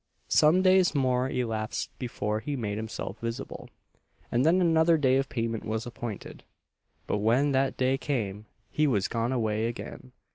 Some days more elapsed before he made himself visible; and then another day of payment was appointed; but when that day came, he was gone away again.